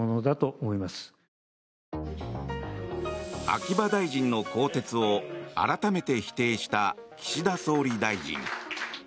秋葉大臣の更迭を改めて否定した岸田総理大臣。